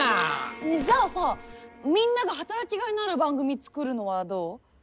ねえじゃあさみんなが働きがいのある番組作るのはどう？